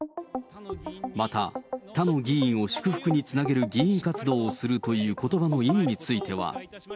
また他の議員を祝福につなげる議員活動をするということばの意味については。